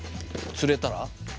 釣れたら。